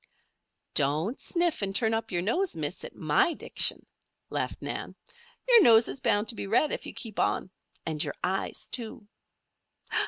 "Don't sniff and turn up your nose, Miss, at my diction," laughed Nan. "Your nose is bound to be red if you keep on and your eyes, too."